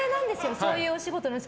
そういうお仕事の仕方。